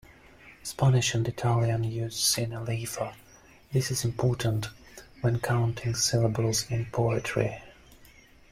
Spanish and Italian use synalepha; this is important when counting syllables in poetry.